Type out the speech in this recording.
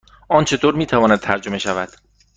آن چطور می تواند ترجمه شود؟